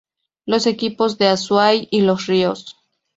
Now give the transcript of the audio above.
Los equipos de Azuay y Los Ríos.